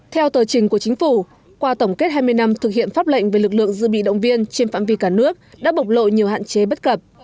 theo tờ trình của chính phủ qua tổng kết hai mươi năm thực hiện pháp lệnh về lực lượng dự bị động viên trên phạm vi cả nước đã bộc lộ nhiều hạn chế bất cập